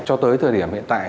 cho tới thời điểm hiện tại